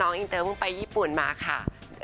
น้องอีเตอร์มาญี่ปุ่นมาค่ะ